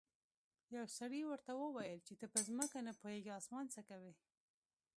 یو سړي ورته وویل چې ته په ځمکه نه پوهیږې اسمان څه کوې.